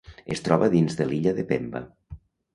Es troba dins de l'illa de Pemba.